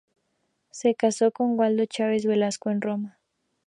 Se casó con Waldo Chávez Velasco en Roma.